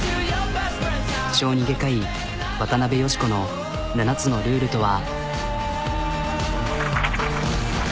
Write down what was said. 小児外科医渡邉佳子の７つのルールとは。